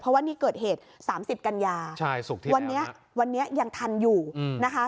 เพราะว่านี่เกิดเหตุ๓๐กันยาวันนี้วันนี้ยังทันอยู่นะคะ